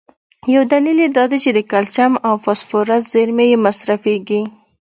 یو دلیل یې دا دی چې د کلسیم او فاسفورس زیرمي یې مصرفېږي.